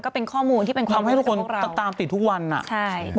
ก็เป็นข้อมูลที่เป็นข้อมูลของพวกเราค่ะสิ่งแบบนั้นแบบทำให้ทุกคนตามติดทุกวัน